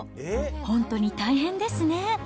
本当に大変ですね。